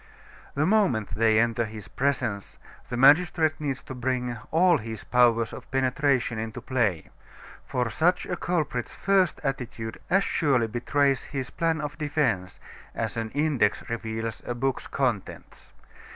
The moment they enter his presence, the magistrate needs to bring all his powers of penetration into play; for such a culprit's first attitude as surely betrays his plan of defense as an index reveals a book's contents.